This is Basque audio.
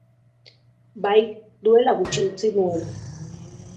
Bai, duela gutxi utzi nuen.